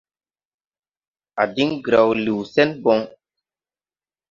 A din graw liw sen bon.